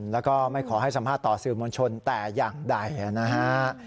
แล้วก็ไม่ขอให้สัมภาษณ์ต่อสื่อมวลชนแต่อย่างใดนะฮะ